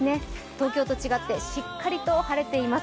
東京と違ってしっかりと晴れています